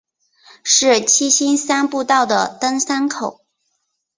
是七星山步道的登山口。